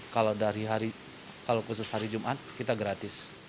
kalau dari hari kalau khusus hari jumat kita gratis